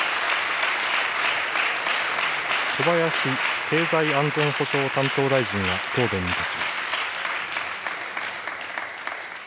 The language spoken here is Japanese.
小林経済安全保障担当大臣が答弁に立ちます。